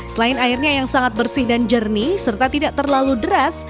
selain airnya yang sangat bersih dan jernih serta tidak terlalu deras